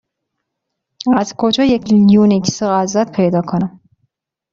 از کجا یک یونیکس آزاد پیدا کنم؟